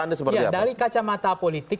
anda seperti apa dari kacamata politik